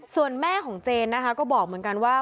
ถึงแม่ของเจนนะคะบอกนะคะว่า